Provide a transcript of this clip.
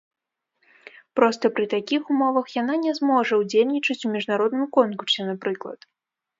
Проста пры такіх умовах яна не зможа ўдзельнічаць у міжнародным конкурсе, напрыклад.